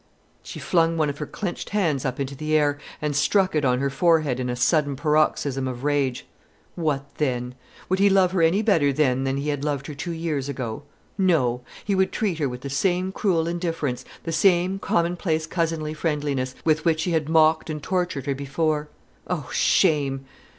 She flung one of her clenched hands up into the air, and struck it on her forehead in a sudden paroxysm of rage. What then? Would he love her any better then than he had loved her two years ago? No; he would treat her with the same cruel indifference, the same commonplace cousinly friendliness, with which he had mocked and tortured her before. Oh, shame!